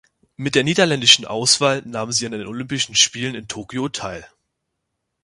Mit der niederländischen Auswahl nahm sie an den Olympischen Spielen in Tokio teil.